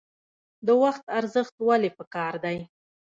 د وخت ارزښت ولې پکار دی؟